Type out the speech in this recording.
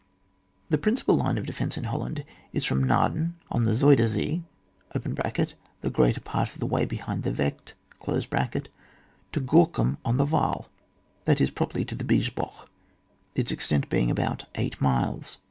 The principal line of defence in Hol« land is from Naarden on the Zuyder Zee (the greater part of the way behind the Vecht), to Gk)rcum on the Waal, that is properly to the Biesbosch, its extent being about eight miles.